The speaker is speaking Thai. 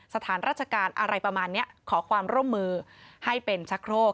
สถานราชการอะไรประมาณนี้ขอความร่วมมือให้เป็นชะโครก